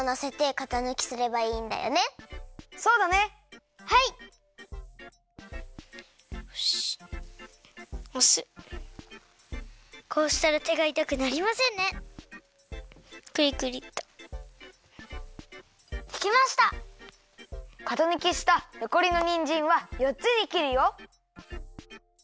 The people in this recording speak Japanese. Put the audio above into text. かたぬきしたのこりのにんじんはよっつにきるよ。